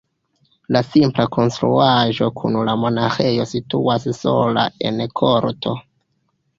La simpla konstruaĵo kun la monaĥejo situas sola en korto.